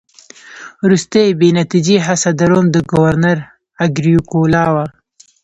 وروستۍ بې نتیجې هڅه د روم د ګورنر اګریکولا وه